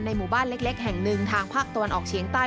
หมู่บ้านเล็กแห่งหนึ่งทางภาคตะวันออกเฉียงใต้